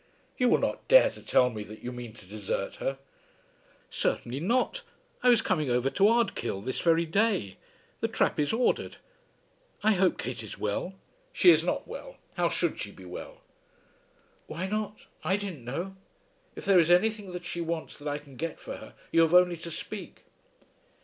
"You will not dare to tell me that you mean to desert her?" "Certainly not. I was coming over to Ardkill this very day. The trap is ordered. I hope Kate is well?" "She is not well. How should she be well?" "Why not? I didn't know. If there is anything that she wants that I can get for her, you have only to speak."